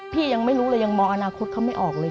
ยังไม่รู้เลยยังมองอนาคตเขาไม่ออกเลย